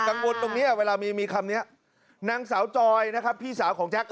ตรงนี้เวลามีมีคำนี้นางสาวจอยนะครับพี่สาวของแจ๊ค